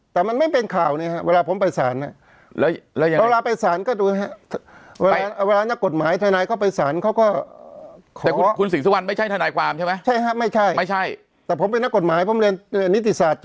แต่มันไม่เป็นข่าวเนี่ยครับเวลาผมไปสาร